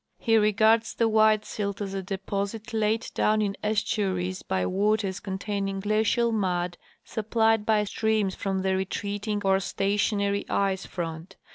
He regards the white silt as a de230sit laid down in estuaries by waters containing glacial mud supplied b}^ streams from the re treating or stationary ice front.